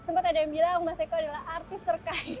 sempat ada yang bilang mas eko adalah artis terkaya